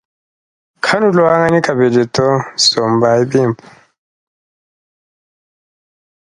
Kanuluanganyi kabidi to sombayi bimpe.